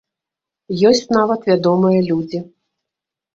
Ёсць нават вядомыя людзі.